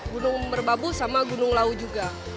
gunung merbabu sama gunung lau juga